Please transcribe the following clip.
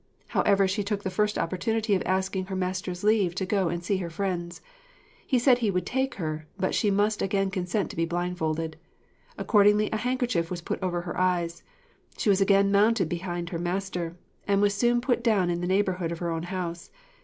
However, she took the first opportunity of asking her master's leave to go and see her friends. He said he would take her, but she must again consent to be blindfolded. Accordingly a handkerchief was put over her eyes; she was again mounted behind her master, and was soon put down in the neighbourhood of her own house.